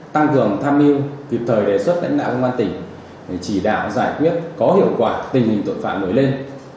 tăng cường tham mưu kịp thời đề xuất đến ngã công an tỉnh chỉ đạo giải quyết có hiệu quả tình hình tội phạm mới lên